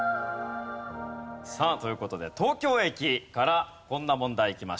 さあという事で東京駅からこんな問題いきましょう。